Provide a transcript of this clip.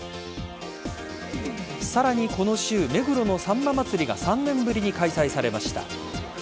さらにこの週、目黒のさんま祭が３年ぶりに開催されました。